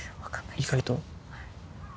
意外と？